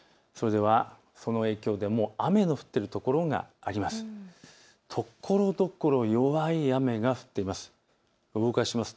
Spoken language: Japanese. その影響でもう雨の降っている所があります。